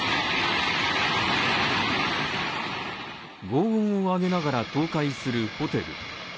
ごう音を上げながら、倒壊するホテル。